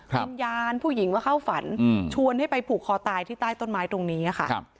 วิญญาณผู้หญิงมาเข้าฝันชวนให้ไปผูกคอตายที่ใต้ต้นไม้ตรงนี้ค่ะ